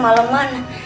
iya tak apa